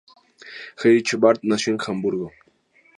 Heinrich Barth nació en Hamburgo.